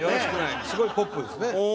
すごいポップですね。